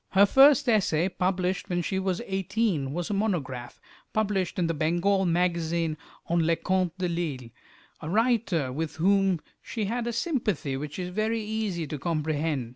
Her first essay, published when she was eighteen, was a monograph, in the "Bengal Magazine," on Leconte de Lisle, a writer with whom she had a sympathy which is very easy to comprehend.